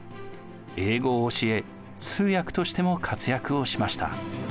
英語を教え通訳としても活躍をしました。